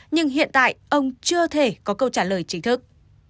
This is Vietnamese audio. nhưng hiện tại ông chưa thể có câu trả lời chính thức